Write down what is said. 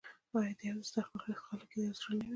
آیا د یو دسترخان خلک یو زړه نه وي؟